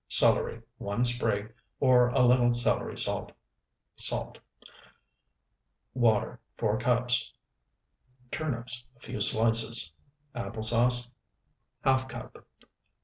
Celery, one sprig, or a little celery salt. Salt. Water, 4 cups. Turnips, a few slices. Apple sauce, ½ cup.